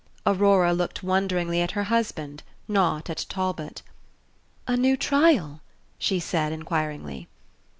Aurora looked wonderingly at her husband, not at Talbot. "A new trial?" she said, inquiringly.